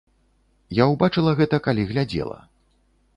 Я ўбачыла гэта, калі глядзела.